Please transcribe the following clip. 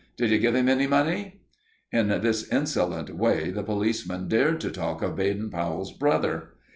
Did you give him any money?" In this insolent way the policeman dared to talk of Baden Powell's brother!